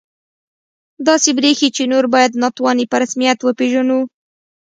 داسې بریښي چې نور باید ناتواني په رسمیت وپېژنو